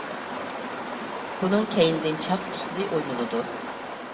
بۇنىڭ كەينىدىن چاق ئۇسسۇلى ئوينىلىدۇ.